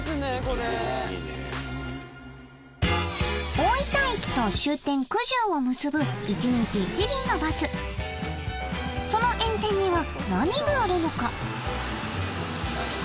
大分駅と終点久住を結ぶ１日１便のバスその沿線には何があるのか？